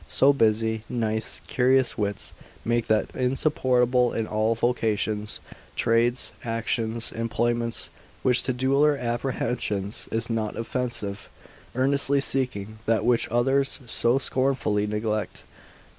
So busy, nice, curious wits, make that insupportable in all vocations, trades, actions, employments, which to duller apprehensions is not offensive, earnestly seeking that which others so scornfully neglect.